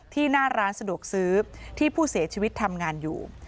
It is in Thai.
หน้าร้านสะดวกซื้อที่ผู้เสียชีวิตทำงานอยู่